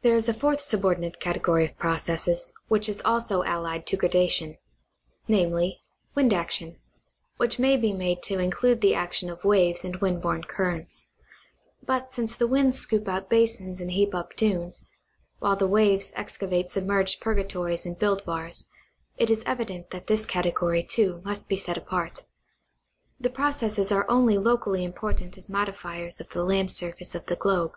There is a fourth subordinate category of processes, which is also allied to gradation, viz : wind action, which may be made to include the action of waves and wind born currents ; but since the winds scoop out basins and heap up dunes, while the waves excavate submerged purgatories and build bars, it is evident that this category, too, must be set apart. The processes are only locally important as modifiers of the land surface of the globe.